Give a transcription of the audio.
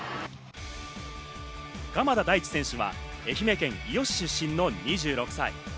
鎌田大地選手は愛媛県伊予市出身の２６歳。